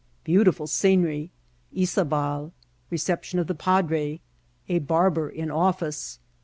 — Beaotifol Scenery.— YzabaL— Reception of the Padre.— A Barber in Office.